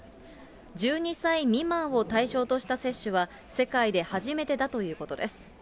１２歳未満を対象とした接種は世界で初めてだということです。